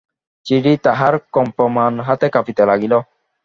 চিঠি তাঁহার কম্পমান হাতে কাঁপিতে লাগিল।